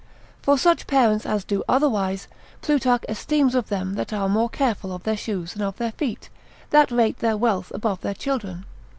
For such parents as do otherwise, Plutarch esteems of them that are more careful of their shoes than of their feet, that rate their wealth above their children.